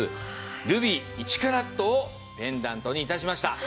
ルビー１カラットをペンダントに致しました。